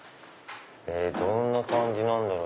どんな感じなんだろう